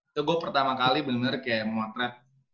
itu gue pertama kali bener bener kayak memotret